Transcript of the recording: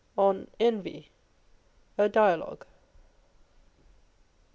On Envy. (A Dialogue.)